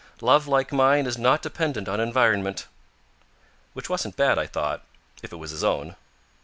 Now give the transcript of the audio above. Love like mine is not dependent on environment." Which wasn't bad, I thought, if it was his own.